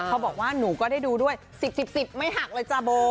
เขาบอกว่าหนูก็ได้ดูด้วยสิบสิบสิบไม่หักเลยจ้ะโบ